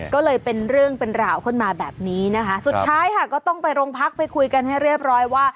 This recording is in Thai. ก็เลยเป็นเรื่องเป็นราวขึ้นมาแบบนี้นะคะสุดท้ายค่ะก็ต้องไปโรงพักไปคุยกันให้เรียบร้อยว่า